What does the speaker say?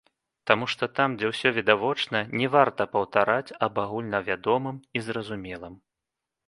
Таму што там, дзе усё відавочна, не варта паўтараць аб агульнавядомым і зразумелым.